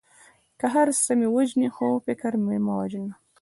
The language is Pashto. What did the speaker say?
که هر څه مې وژنې خو فکر مې مه وژنه.